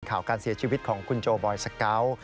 ข่าวการเสียชีวิตของคุณโจบอยสเกาะ